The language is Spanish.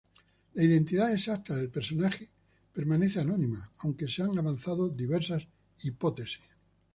La identidad exacta del personaje permanece anónima, aunque se han avanzado diversas hipótesis.